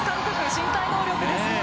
身体能力ですね。